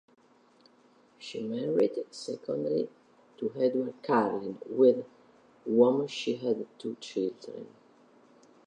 She married, secondly, to Edward Carlin, with whom she had two children.